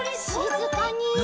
しずかに。